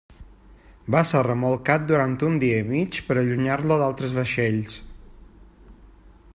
Va ser remolcat durant un dia i mig per allunyar-lo d'altres vaixells.